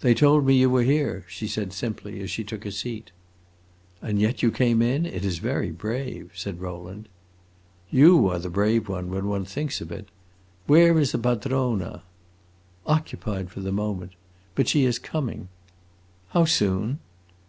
"They told me you were here," she said simply, as she took a seat. "And yet you came in? It is very brave," said Rowland. "You are the brave one, when one thinks of it! Where is the padrona?" "Occupied for the moment. But she is coming." "How soon?"